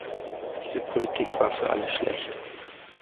Diese Politik war für alle schlecht.